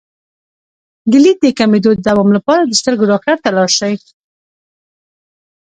د لید د کمیدو د دوام لپاره د سترګو ډاکټر ته لاړ شئ